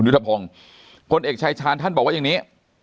พงศ์พลเอกชายชาญท่านบอกว่าอย่างนี้